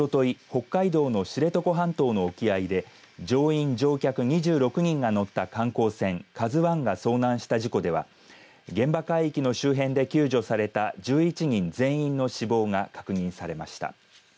北海道の知床半島の沖合で乗員・乗客２６人が乗った観光船、ＫＡＺＵＩが遭難した事故では現場海域の周辺で救助された１１人全員の死亡が確認されました。